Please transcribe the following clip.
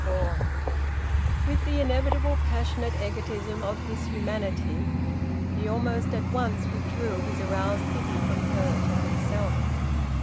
FOUR. With the inevitable passionate egotism of his humanity he almost at once withdrew his aroused pity from her to himself.